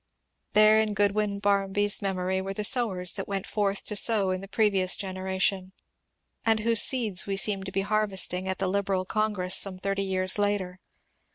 There in Goodwyn Barmby's memory were the sowers that went forth to sow in the previous generation, and whose seeds PROFESSOR W. K CLIFFORD 397 we seemed to be harvesting at the Liberal Congress some thirty years later.